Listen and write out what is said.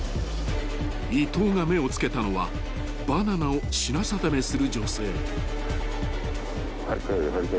［伊東が目を付けたのはバナナを品定めする女性］